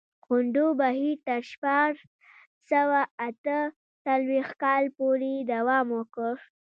غونډو بهیر تر شپاړس سوه اته څلوېښت کال پورې دوام وکړ.